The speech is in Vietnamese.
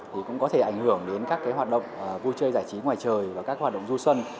thì cũng có thể ảnh hưởng đến các cái hoạt động vui chơi giải trí ngoài trời và các hoạt động du xuân